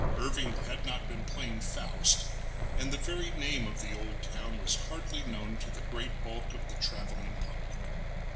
Irving had not been playing Faust, and the very name of the old town was hardly known to the great bulk of the travelling public.